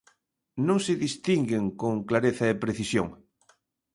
Non se distinguen con clareza e precisión.